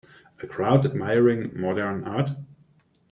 A crowd admiring modern art ?